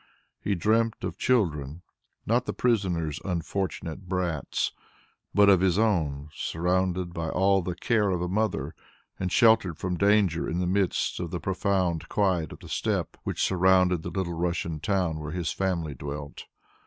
He dreamt of children, not the prisoner's unfortunate brats, but of his own surrounded by all the care of a mother and sheltered from danger in the midst of the profound quiet of the steppe which surrounded the little Russian town where his family dwelt.